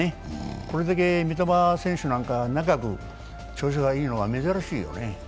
これだけ三笘選手なんか仲良く調子がいいのは珍しいよね。